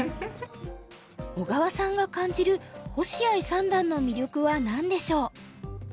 小川さんが感じる星合三段の魅力は何でしょう？